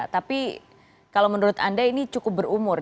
tapi kalau menurut anda ini cukup berumur